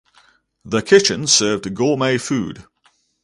The kitchen served gourmet food.